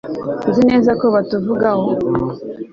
nzi neza ko batuvugaho